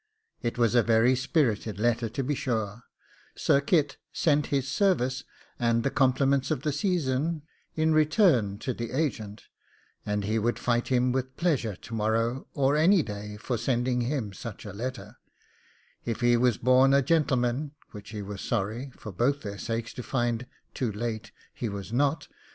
It was a very spirited letter to be sure: Sir Kit sent his service, and the compliments of the season, in return to the agent, and he would fight him with pleasure to morrow, or any day, for sending him such a letter, if he was born a gentleman, which he was sorry (for both their sakes) to find (too late) he was not.